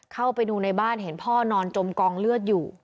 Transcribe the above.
เข้าไปดูในบ้านเห็นพ่อนอนจมกองเลือดอยู่